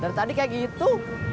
dari tadi kayak gitu